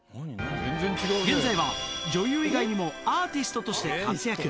現在は女優以外にもアーティストとして活躍。